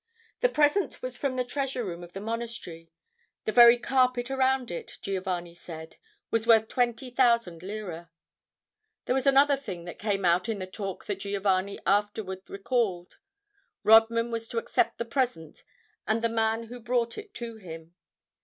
The present was from the treasure room of the monastery; the very carpet around it, Giovanni said, was worth twenty thousand lire. There was another thing that came out in the talk that Giovanni afterward recalled. Rodman was to accept the present and the man who brought it to him.